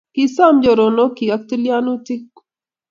Kisom choronokchi ak tilyanutik